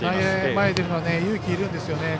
前に出るのは勇気がいるんですよね。